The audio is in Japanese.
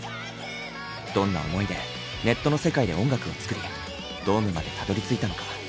どんな思いでネットの世界で音楽を作りドームまでたどりついたのか。